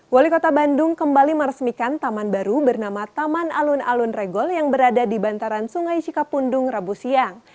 wali kota bandung kembali meresmikan taman baru bernama taman alun alun regol yang berada di bantaran sungai cikapundung rabu siang